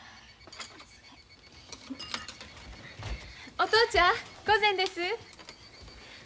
お父ちゃんご膳です。